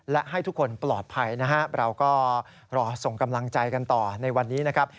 และให้ทุกคนปลอดภัยนะครับเราก็รอส่งกำลังใจกันต่อในวันนี้นะครับ